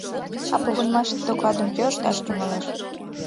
А погынымаште докладым кӧ ышташ тӱҥалеш?